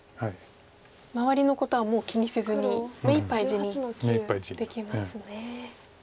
周りのことはもう気にせずに目いっぱい地にできますね。